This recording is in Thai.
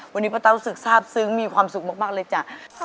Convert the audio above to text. วันนี้ป้าเต้ารู้สึกทราบซึ้งมีความสุขมากเลยจ้ะ